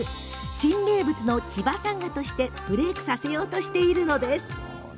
新名物の千葉さんがとしてブレークさせようとしているのです。